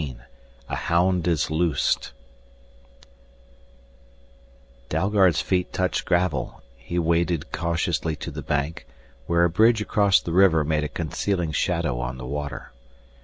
13 A HOUND IS LOOSED Dalgard's feet touched gravel; he waded cautiously to the bank, where a bridge across the river made a concealing shadow on the water.